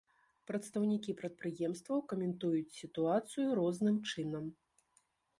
Прадстаўнікі прадпрыемстваў каментуюць сітуацыю розным чынам.